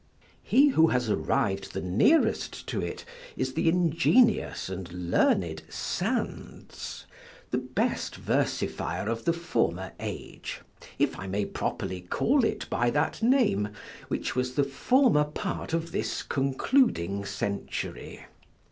He who has arriv'd the nearest to it, is the ingenious and learned Sandys, the best versifier of the former age; if I may properly call it by that name, which was the former part of this concluding century.